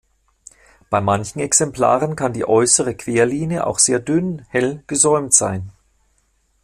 Bei manchen Exemplare kann die äußere Querlinie auch sehr dünn hell gesäumt sein.